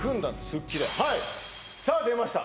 復帰ではいさあ出ました